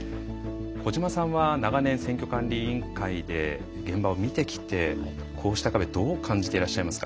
小島さんは長年、選挙管理委員会で現場を見てきて、こうした壁どう感じていらっしゃいますか。